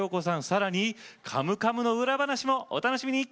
さらに「カムカム」の裏話もお楽しみに。